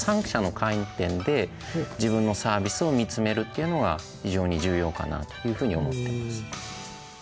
３者の観点で自分のサービスを見つめるっていうのが非常に重要かなというふうに思ってます。